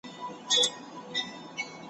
کشپ ولیدل له پاسه شنه کښتونه ,